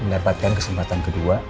mendapatkan kesempatan kedua